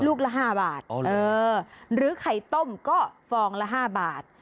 ลูกละห้าบาทเออหรือไข่ต้มก็ฟองละห้าบาทอ๋อ